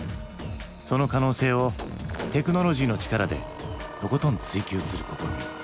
その可能性をテクノロジーの力でとことん追求する試み。